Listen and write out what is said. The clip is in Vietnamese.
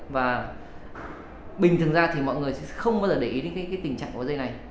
và bình thường ra thì mọi người sẽ không bao giờ để ý đến tình trạng của dây này